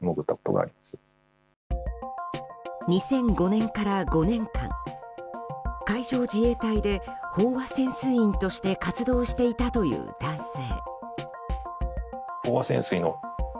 ２００５年から５年間海上自衛隊で飽和潜水員として活動していたという男性。